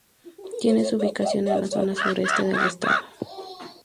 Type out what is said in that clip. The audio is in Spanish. Tiene su ubicación en la zona sureste del estado.